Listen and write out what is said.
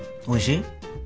おいしい？